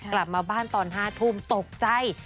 กลับมาบ้านตอน๕ทุ่มตกใจ